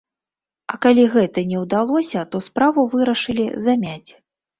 А калі гэта не ўдалося, то справу вырашылі замяць.